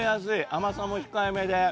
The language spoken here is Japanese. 甘さも控えめで。